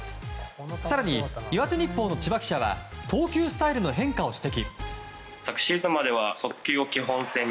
更に岩手日報の千葉記者は投球スタイルの変化を指摘。